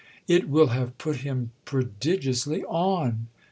"It will have put him prodigiously on!